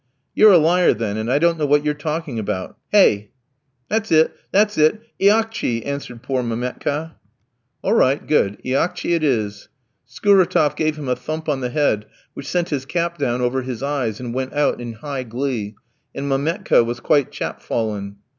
"You're a liar, then, and I don't know what you're talking about. Hey!" "That's it, that's it, iakchi!" answered poor Mametka. "All right, good, iakchi it is!" Skouratof gave him a thump on the head, which sent his cap down over his eyes, and went out in high glee, and Mametka was quite chapfallen.